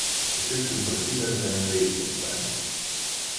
Beschütze unsere Kinder mit deinem Leben, wenn es sein muss!